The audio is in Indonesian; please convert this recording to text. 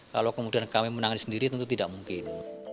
kalau kemudian kami menang sendiri itu tidak mungkin